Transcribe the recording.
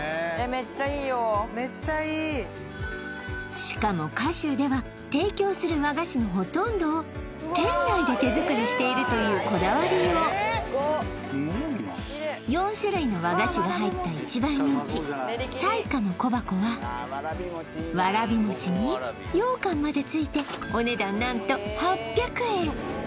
めっちゃいいよめっちゃいいしかも珈集では提供する和菓子のほとんどを店内で手作りしているというこだわりよう４種類の和菓子が入った一番人気彩菓の小筺はわらび餅にようかんまでついてお値段何と８００円